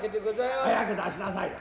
早く出しなさいよ。